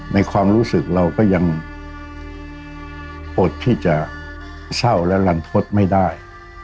ในความรู้สึกเราก็ยังอดที่จะเศร้าและรันทดไม่ได้